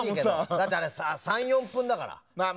だって、あれ３４分だから。